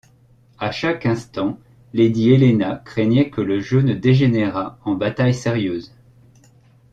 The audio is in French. À chaque instant, lady Helena craignait que le jeu ne dégénérât en bataille sérieuse.